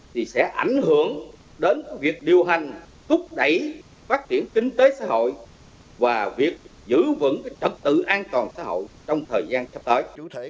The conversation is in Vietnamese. thì sẽ ảnh hưởng đến việc điều hành thúc đẩy phát triển kinh tế xã hội và việc giữ vững trật tự an toàn xã hội trong thời gian sắp tới